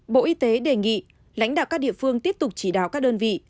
bộ y tế đề nghị lãnh đạo các địa phương tiếp tục chỉ đạo các đơn vị